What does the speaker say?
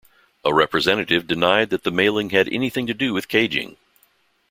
A representative denied that the mailing had anything to do with caging.